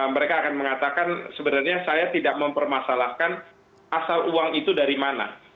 mereka akan mengatakan sebenarnya saya tidak mempermasalahkan asal uang itu dari mana